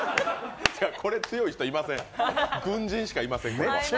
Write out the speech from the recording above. これ、強い人いません、軍人しかいません。